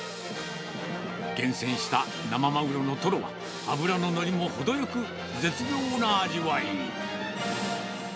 厳選した生マグロのトロは、脂の乗りも程よく、絶妙な味わい。